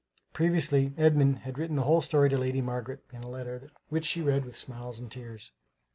Previously Edmund had written the whole story to Lady Margaret in a letter which she read with smiles and tears.